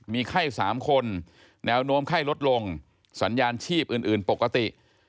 มีไข้๓คนแนวโน้มไข้ลดลงสัญญาณชีพอื่นปกติ